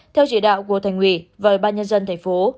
theo chỉ đạo của thành ủy và bàn nhân dân thành phố